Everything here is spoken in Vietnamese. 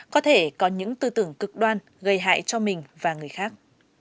có thể có những tư tưởng cực đoan gây hại cho mình và người khác